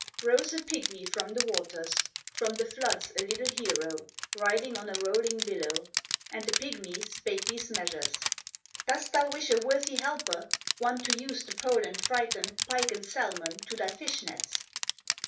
Rose a pigmy from the waters, From the floods a little hero, Riding on a rolling billow, And the pigmy spake these measures: "Dost thou wish a worthy helper, One to use the pole and frighten Pike and salmon to thy fish nets?"